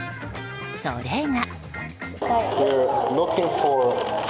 それが。